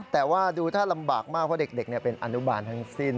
แต่ว่าดูถ้าลำบากมากเพราะเด็กเป็นอนุบาลทั้งสิ้น